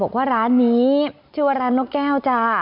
บอกว่าร้านนี้ชื่อว่าร้านนกแก้วจ้า